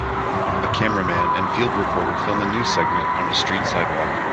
A cameraman and field reporter film a news segment on a street sidewalk.